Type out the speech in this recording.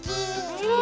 うん！